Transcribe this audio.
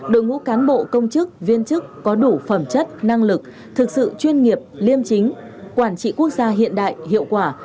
đội ngũ cán bộ công chức viên chức có đủ phẩm chất năng lực thực sự chuyên nghiệp liêm chính quản trị quốc gia hiện đại hiệu quả